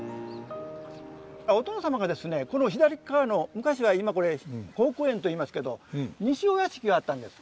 お殿様がですねこの左っかわの昔は今これ好古園と言いますけど西御屋敷があったんです。